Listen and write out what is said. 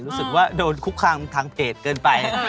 รู้สึกว่าโดนคุกคามทางเพจเกินไป